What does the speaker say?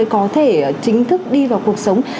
hai nghìn hai mươi có thể chính thức đi vào cuộc sống